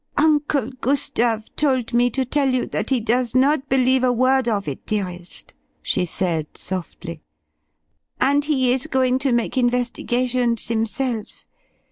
"Uncle Gustave told me to tell you that he does not believe a word of it, dearest!" she said, softly. "And he is going to make investigations himself.